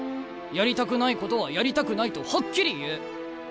やりたくないことはやりたくないとはっきり言う。